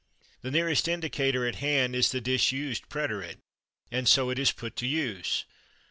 The nearest indicator at hand is the disused preterite, and so it is put to use.